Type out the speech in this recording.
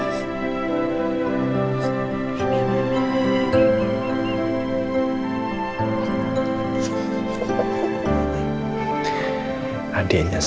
sekalian rosa parks